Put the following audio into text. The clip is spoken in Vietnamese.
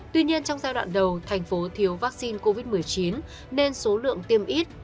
tuy nhiên trong giai đoạn đầu thành phố thiếu vaccine covid một mươi chín nên số lượng tiêm ít